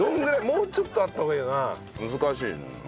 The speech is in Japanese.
もうちょっとあった方がいいのかな？